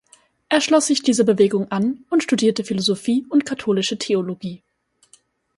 Er schloss sich dieser Bewegung an und studierte Philosophie und Katholische Theologie.